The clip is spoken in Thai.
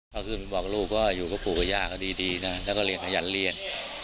บอกลูกว่าอยู่กับกูกับยาก็ดีนะแล้วก็เรียนทะยันเรียน